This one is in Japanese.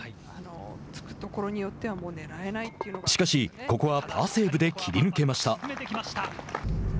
しかし、ここはパーセーブで切り抜けました。